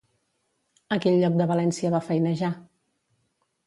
A quin lloc de València va feinejar?